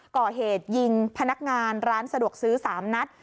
ก่อเหตุยิงพนักงานร้านสะดวกซื้อ๓นัด